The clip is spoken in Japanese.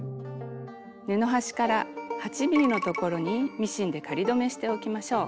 布端から８ｍｍのところにミシンで仮留めしておきましょう。